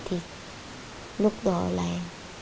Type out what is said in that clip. thì lúc đó lại